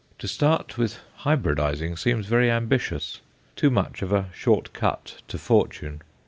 To start with hybridizing seems very ambitious too much of a short cut to fortune.